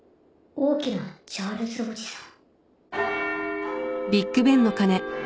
大きなチャールズおじさん！